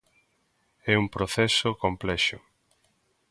É un proceso complexo.